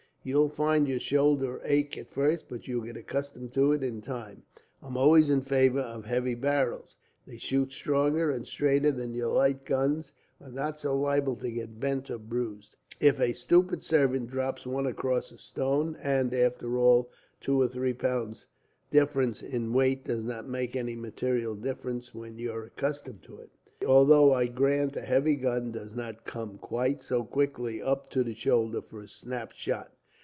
You'll find your shoulder ache, at first; but you'll get accustomed to it, in time. I'm always in favour of heavy barrels. They shoot stronger and straighter than your light guns, are not so liable to get bent or bruised, if a stupid servant drops one across a stone; and, after all, two or three pounds difference in weight does not make any material difference, when you're accustomed to it. Although, I grant, a heavy gun does not come quite so quickly up to the shoulder, for a snap shot."